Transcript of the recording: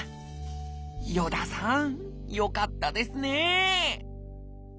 与田さんよかったですね！